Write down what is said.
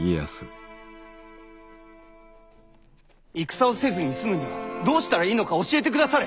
戦をせずに済むにはどうしたらいいのか教えてくだされ！